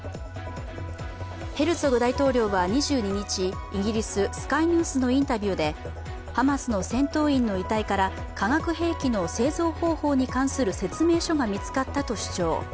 ヘルツォグ大統領は２２日イギリス・スカイニュースのインタビューでハマスの戦闘員の遺体から化学兵器の製造方法に関する説明書が見つかったと主張。